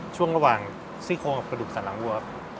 ช่วงระหว่างซี่โครงกับประดูกสารังวัวครับ